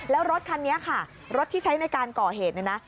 แล้วรถคันนี้ค่ะรถที่ใช้ในการก่อเหตุเนี่ยนะ